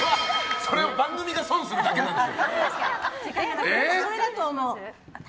それは番組が損するだけなんです。